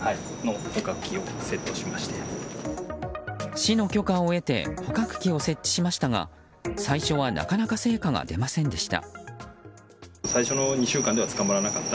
市の許可を得て捕獲器を設置しましたが最初はなかなか成果が出ませんでした。